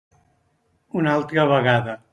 Una altra vegada.